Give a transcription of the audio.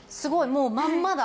もうまんまだ。